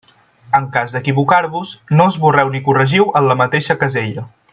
En cas d'equivocar-vos, no esborreu ni corregiu en la mateixa casella.